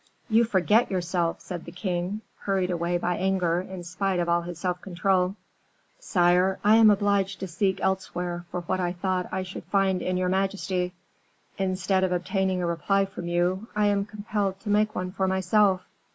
"You forget yourself," said the king, hurried away by anger in spite of all his self control. "Sire, I am obliged to seek elsewhere for what I thought I should find in your majesty. Instead of obtaining a reply from you, I am compelled to make one for myself."